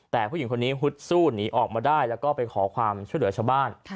แต่ผู้หญิงคนนี้ฮึดสู้หนีออกมาได้แล้วก็ไปขอความช่วยเหลือชาวบ้าน